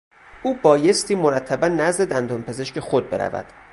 او بایستی مرتبا نزد دندانپزشک خود برود.